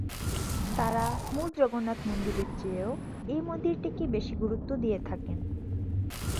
তারা মূল জগন্নাথ মন্দিরের চেয়েও এই মন্দিরটিকে বেশি গুরুত্ব দিয়ে থাকেন।